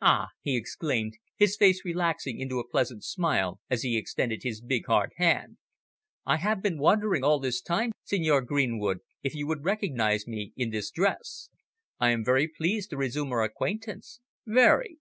"Ah," he exclaimed, his face relaxing into a pleasant smile as he extended his big, hard hand, "I have been wondering all this time, Signor Greenwood, if you would recognise me is this dress. I am very pleased to resume our acquaintance very."